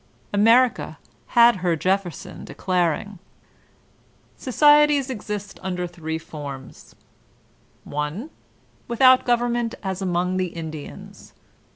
America had her Jefferson declaring: ''Societies exist under three forms: i. Without gov ernment as among the Indians.